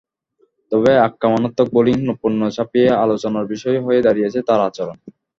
তবে আক্রমণাত্মক বোলিং নৈপুণ্য ছাপিয়ে আলোচনার বিষয় হয়ে দাঁড়িয়েছে তাঁর আচরণ।